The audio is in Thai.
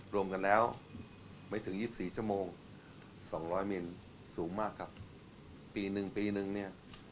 รวมกันแล้วไม่ถึง๒๔ชั่วโมง๒๐๐เมตรสูงมากครับปีหนึ่งปีนึงเนี่ย